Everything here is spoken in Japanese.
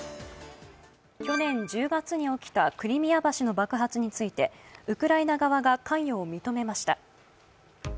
去年１０月に起きたクリミア橋の爆発についてウクライナ側が関与を認めました。